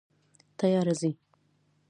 تیاره ځي